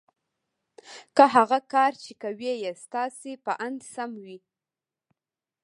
که هغه کار چې کوئ یې ستاسې په اند سم وي